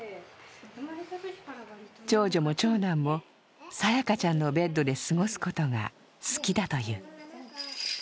長女も長男も咲花ちゃんのベッドで過ごすことが好きだという。